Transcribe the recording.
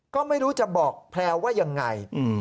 ก็ไม่รู้จะบอกแพลวว่ายังไง